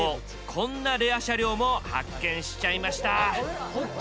こんなレア車両も発見しちゃいました。